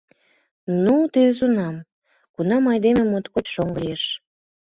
Ну, тиде тунам, кунам айдеме моткоч шоҥго лиеш.